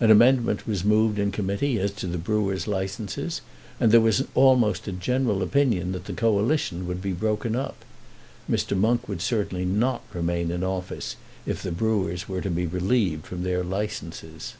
An amendment was moved in Committee as to the Brewers' Licences, and there was almost a general opinion that the Coalition would be broken up. Mr. Monk would certainly not remain in office if the Brewers were to be relieved from their licences.